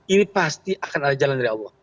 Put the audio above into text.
ini pasti akan ada jalan dari allah